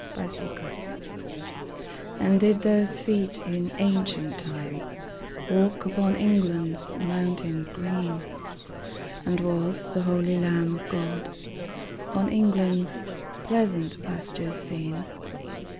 Y Z Jerusalem AND did those feet in ancient time Walk upon England's mountains green? And was the holy Lamb of God On England's pleasant pastures seen?